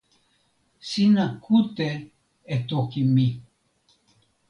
sina kute e toki mi.